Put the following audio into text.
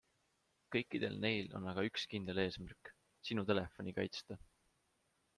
Kõikidel neil on aga üks kindel eesmärk - Sinu telefoni kaitsta.